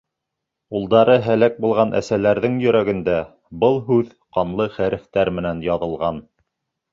Улдары һәләк булған әсәләрҙең йөрәгендә был һүҙ ҡанлы хәрефтәр менән яҙылған.